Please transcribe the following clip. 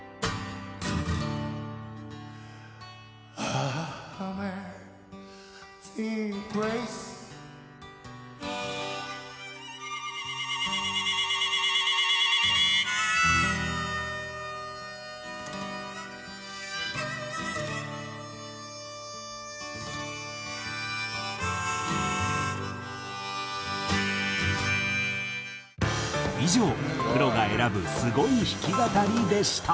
「ああ」「ああー」以上プロが選ぶすごい弾き語りでした。